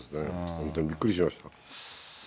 本当にびっくりしました。